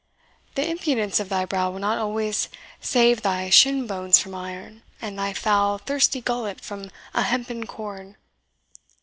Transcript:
The impudence of thy brow will not always save thy shin bones from iron, and thy foul, thirsty gullet from a hempen cord."